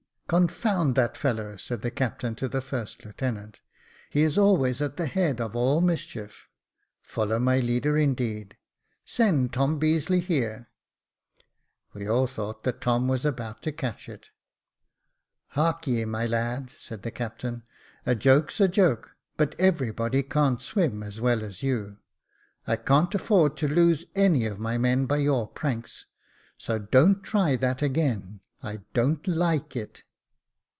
" Confound that fellow," said the captain to the first lieutenant ; "he is always at the head of all mischief. Follow my leader, indeed ! Send Tom Beazeley here." We all thought that Tom was about to catch it. " Hark Jacob Faithful 361 ye, my lad," said the captain, "a joke's a joke, but every body can't swim as well as you. I can't afford to lose any of my men by your pranks, so don't try that again — I don't like it."